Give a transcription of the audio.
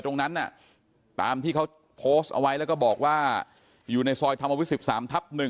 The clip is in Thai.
ตรงนั้นตามที่เขาโพสต์เอาไว้แล้วก็บอกว่าอยู่ในซอยธรรมวิทย์๑๓ทับ๑